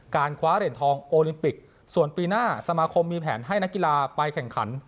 คว้าเหรียญทองโอลิมปิกส่วนปีหน้าสมาคมมีแผนให้นักกีฬาไปแข่งขัน